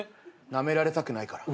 なめられたくないから。